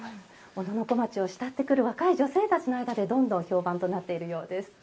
小野小町を慕って来る若い女性たちの間でどんどん評判となっているようです。